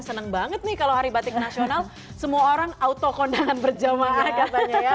seneng banget nih kalau hari batik nasional semua orang auto kondangan berjamaah katanya ya